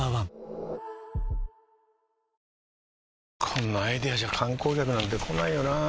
こんなアイデアじゃ観光客なんて来ないよなあ